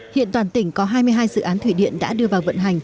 hiện toàn tỉnh có hai mươi hai dự án thủy điện đã đưa vào vận hành